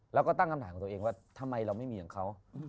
แล้วก็ตั้งคำถามของตัวเองว่าทำไมเราไม่มีของเขา